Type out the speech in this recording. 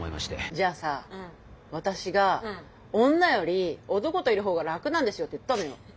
じゃあさ私が女より男といるほうが楽なんですよって言ったのよ。